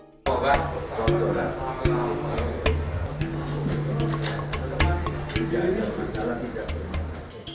aku guru dan aku kawal aku percaya